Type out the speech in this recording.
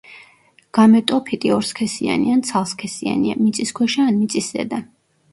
გამეტოფიტი ორსქესიანი ან ცალსქესიანია, მიწისქვეშა ან მიწისზედა.